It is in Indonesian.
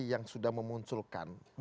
yang sudah memunculkan